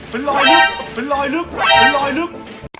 เป็นรอยลึก